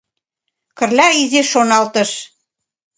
Кырля изиш шоналтыш.